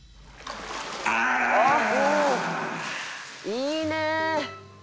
「いいね！」